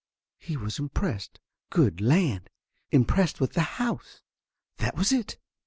He was im pressed. Good land! Impressed with the house! That was it.